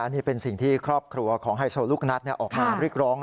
นี่เป็นสิ่งที่ครอบครัวของไฮโซลูกนัดออกมาเรียกร้อง